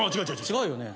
違うよね。